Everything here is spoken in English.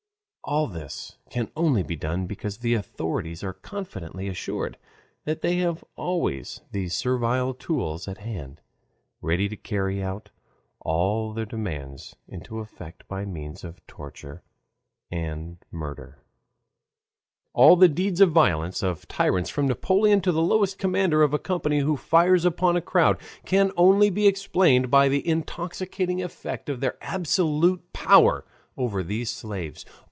All this can only be done because the authorities are confidently assured that they have always these servile tools at hand, ready to carry all their demands into effect by means of torture and murder. All the deeds of violence of tyrants from Napoleon to the lowest commander of a company who fires upon a crowd, can only be explained by the intoxicating effect of their absolute power over these slaves.